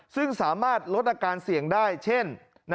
ซึ่งสามารถลดอาการเสี่ยงได้เช่น